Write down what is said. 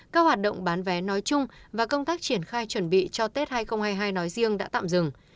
các hoạt động bán vé nói chung và công tác triển khai chuẩn bị cho tết hai nghìn hai mươi hai nói riêng đã tạm dừng